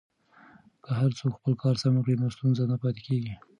که هر څوک خپل کار سم وکړي نو ستونزه نه پاتې کیږي.